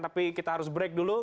tapi kita harus break dulu